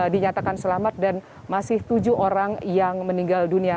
dinyatakan selamat dan masih tujuh orang yang meninggal dunia